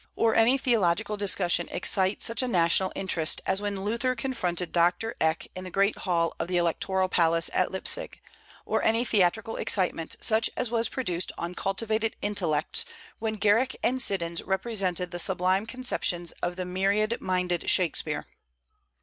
or any theological discussion excite such a national interest as when Luther confronted Doctor Eck in the great hall of the Electoral Palace at Leipsic; or any theatrical excitement such as was produced on cultivated intellects when Garrick and Siddons represented the sublime conceptions of the myriad minded Shakspeare.